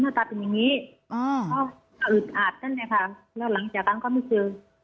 ก็อึดอาดนั่นแหละค่ะแล้วหลังจากนั้นก็ไม่เจอ